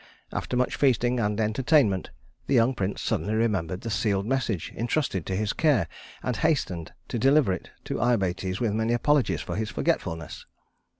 After much feasting and entertainment, the young prince suddenly remembered the sealed message intrusted to his care, and hastened to deliver it to Iobates with many apologies for his forgetfulness.